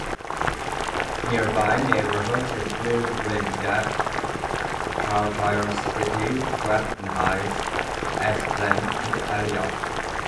Nearby neighborhoods include Windgap, Chartiers City, Crafton Heights, Esplen, and Elliott.